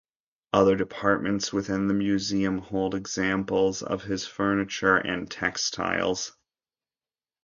Other departments within the museum hold examples of his furniture and textiles.